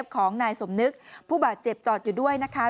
ของนายสมนึกผู้บาดเจ็บจอดอยู่ด้วยนะคะ